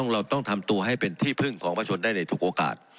เราต้องทำตัวให้เป็นที่พึ่งของประชนได้ในทุกโอกาส